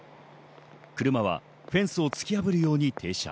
車はフェンスを突き破るようにして停車。